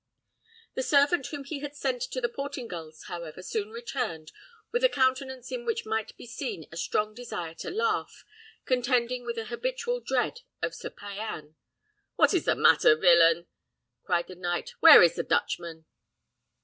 The servant whom he had sent to the Portingals, however, soon returned, with a countenance in which might be seen a strong desire to laugh, contending with a habitual dread of Sir Payan. "What is the matter, villain?" cried the knight: "where is the Dutchman?"